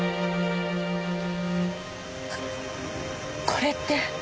これって！